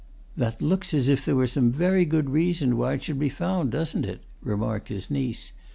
"That looks as if there were some very good reason why it should be found, doesn't it?" remarked his niece.